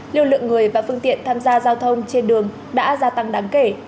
lưu lượng người và phương tiện tham gia giao thông trên đường đã gia tăng đáng kể